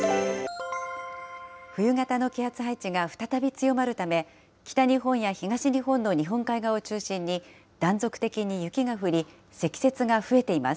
冬型の気圧配置が再び強まるため、北日本や東日本の日本海側を中心に、断続的に雪が降り、積雪が増えています。